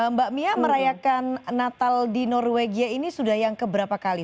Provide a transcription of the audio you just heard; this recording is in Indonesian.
mbak mia merayakan natal di norwegia ini sudah yang keberapa kali